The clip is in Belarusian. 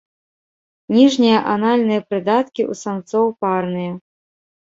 Ніжнія анальныя прыдаткі ў самцоў парныя.